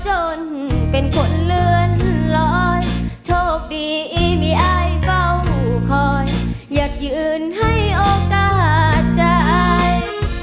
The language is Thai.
โชคดีมีอ้ายเฝ้าคอยอยากยืนให้โอกาสใจ